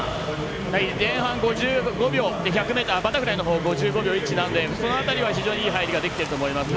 前半５５秒バタフライ５５秒１なんでその辺りは非常にいい入りができていると思います。